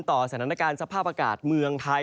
ต่อสถานการณ์สภาพอากาศเมืองไทย